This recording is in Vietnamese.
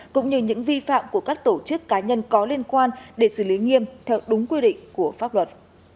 cũng như những vi phạm của các tổ chức cá nhân có liên quan để xử lý nghiêm theo đúng quy định của pháp luật